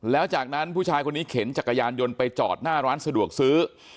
แล้วจากนั้นผู้ชายคนนี้เข็นจักรยานยนต์ไปจอดหน้าร้านสะดวกซื้อ